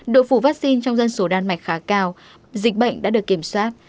độ phủ vaccine trong dân số đan mạch khá cao dịch bệnh đã được kiểm soát